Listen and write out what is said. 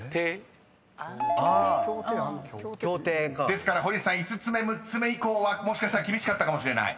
［ですから堀内さん５つ目６つ目以降はもしかしたら厳しかったかもしれない？］